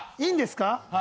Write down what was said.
いいんですか？